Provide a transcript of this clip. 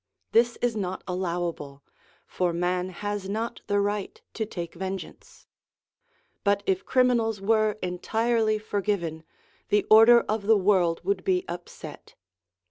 This is not allowable; for man has not the right to take vengeance. But if criminals were entirely forgiven, the order of the world would be upset.